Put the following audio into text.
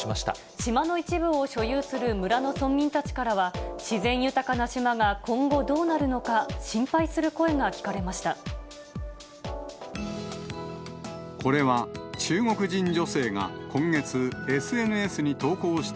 島の一部を所有する村の村民たちからは、自然豊かな島が今後どうなるのか、心配する声が聞かれました。